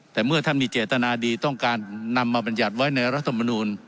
แต่เมื่อท่านมีเจตนาดีต้องการนำมาบรรยัติไว้ในรัฐมนูล